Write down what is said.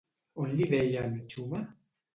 On li deien Txume?